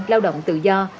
lao động tự do